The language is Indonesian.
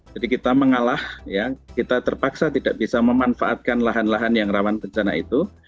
jadi kita mengalah kita terpaksa tidak bisa memanfaatkan lahan lahan yang rawan bencana itu